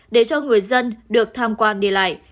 để cho người dân được tham quan đi lại